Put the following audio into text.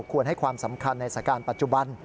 ควรให้ความสำคัญในสถานการณ์ปัจจุบัน